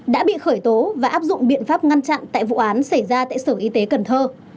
đã bị khởi tố và áp dụng biện pháp ngăn chặn tại vụ án xảy ra tại sở y tế cần thơ